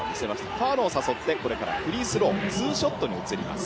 ファウルを誘ってこれからフリースロー、ツーショットに移ります。